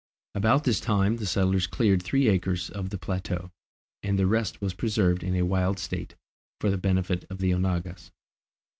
About this time the settlers cleared three acres of the plateau, and the rest was preserved in a wild state, for the benefit of the onagas.